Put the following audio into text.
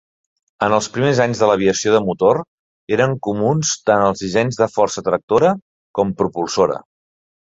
En els primers anys de l'aviació de motor eren comuns tant els dissenys de força tractora com propulsora.